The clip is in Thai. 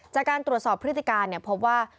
จากการตรวจสอบพฤติการพบว่า